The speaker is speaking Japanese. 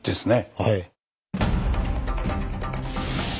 はい。